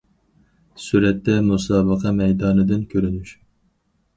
سۈرەتتە: مۇسابىقە مەيدانىدىن كۆرۈنۈش.